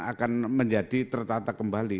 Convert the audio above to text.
akan menjadi tertata kembali